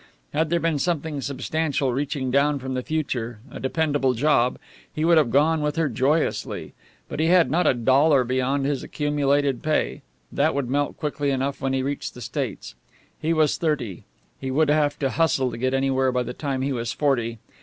Had there been something substantial reaching down from the future a dependable job he would have gone with her joyously. But he had not a dollar beyond his accumulated pay; that would melt quickly enough when he reached the States. He was thirty; he would have to hustle to get anywhere by the time he was forty.